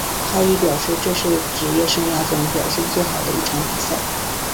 他亦表示这是职业生涯中表现最好的一场比赛。